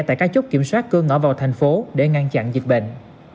tại các chốt kiểm soát cửa ngõ vào thành phố để ngăn chặn dịch bệnh